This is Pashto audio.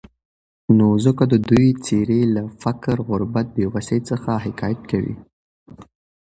نو ځکه د دوي څېرې له فقر، غربت ، بېوسي، څخه حکايت کوي.